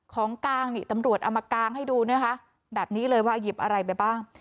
ของกลางนี่ตำรวจเอามากางให้ดูนะคะแบบนี้เลยว่าหยิบอะไรไปบ้าง